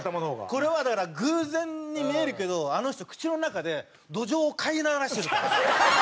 これはだから偶然に見えるけどあの人口の中でどじょうを飼いならしてるから。